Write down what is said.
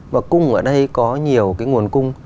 và cung ở đây có nhiều cái nguồn cung